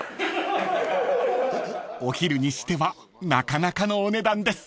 ［お昼にしてはなかなかのお値段です］